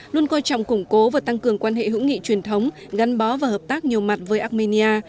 luôn coi trọng củng cố và tăng cường quan hệ hữu nghị truyền thống gắn bó và hợp tác nhiều mặt với armenia